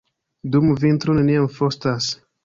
Dum vintro neniam frostas.